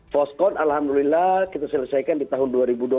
foskon alhamdulillah kita selesaikan di tahun dua ribu dua puluh